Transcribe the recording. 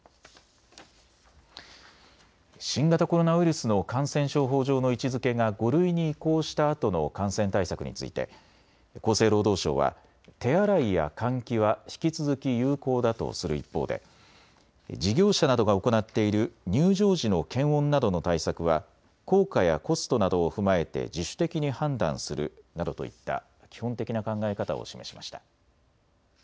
新型コロナウイルスの感染症法上の位置づけが５類に移行したあとの感染対策について厚生労働省は手洗いや換気は引き続き有効だとする一方で事業者などが行っている入場時の検温などの対策は効果やコストなどを踏まえて自主的に判断するなどといった基本的な考え方を示しました。